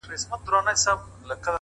• غرڅه هغو پښو له پړانګه وو ژغورلی ,